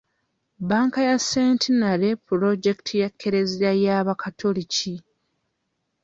Bbanka ya Centenary pulojekiti ya kereziya ey'abakatoliki.